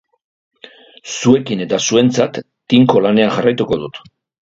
Zuekin eta zuentzat tinko lanean jarraituko dut.